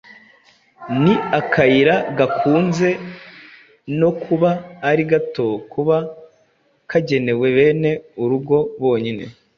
Ni akayira gakunze no kuba ari gato kaba kagenewe bene urugo bonyine.